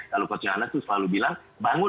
kalau coach yona tuh selalu bilang bangun